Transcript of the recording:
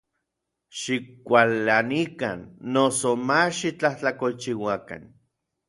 Xikualanikan, noso mach xitlajtlakolchiuakan.